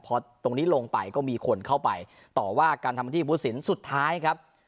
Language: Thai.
พอตรงนี้ลงไปก็มีคนเข้าไปต่อว่าการทำที่ผู้สินสุดท้ายครับ